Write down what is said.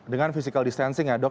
dengan physical distancing ya dok